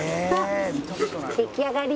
出来上がり。